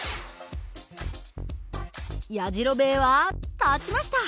やじろべえは立ちました！